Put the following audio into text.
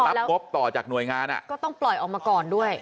งบต่อจากหน่วยงานอ่ะก็ต้องปล่อยออกมาก่อนด้วย